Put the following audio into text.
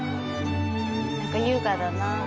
何か優雅だなあ。